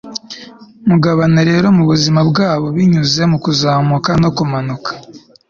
mugabana rero mubuzima bwabo, binyuze mukuzamuka no kumanuka